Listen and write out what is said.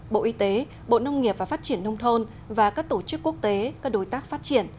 bộ y tế bộ nông nghiệp và phát triển nông thôn và các tổ chức quốc tế các đối tác phát triển